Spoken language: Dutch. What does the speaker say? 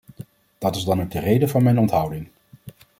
Dit is dan ook de reden van mijn onthouding.